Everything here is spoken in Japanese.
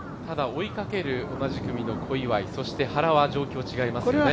追いかける同じ組の小祝そして原は状況、違いますよね。